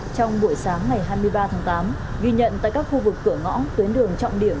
trong buổi sáng ngày hai mươi ba tháng tám ghi nhận tại các khu vực cửa ngõ tuyến đường trọng điểm